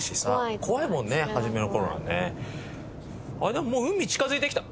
でももう海近づいてきた。